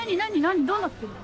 どうなってるの？